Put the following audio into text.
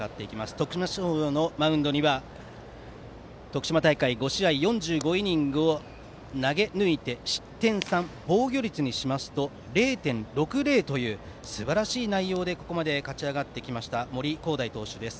徳島商業のマウンドには徳島大会５試合４５イニングを投げ抜いて、失点３防御率にしますと０．６０というすばらしい内容でここまで勝ち上がってきました森煌誠投手です。